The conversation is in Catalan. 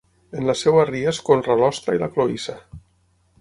En la seva ria es conra l'ostra i la cloïssa.